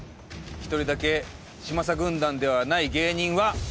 １人だけ嶋佐軍団ではない芸人は。